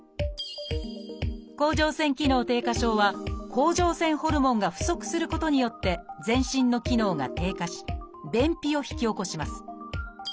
「甲状腺機能低下症」は甲状腺ホルモンが不足することによって全身の機能が低下し便秘を引き起こします。